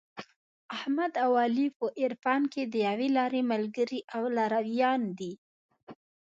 احمد او علي په عرفان کې د یوې لارې ملګري او لارویان دي.